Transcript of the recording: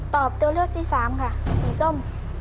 ตัวเลือกที่สามค่ะสีส้ม